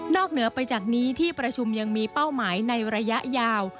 เหนือไปจากนี้ที่ประชุมยังมีเป้าหมายในระยะยาว